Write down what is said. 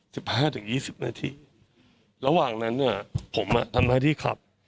สิบห้าถึงยี่สิบนาทีระหว่างนั้นเนี้ยผมอ่ะทำหน้าที่ขับ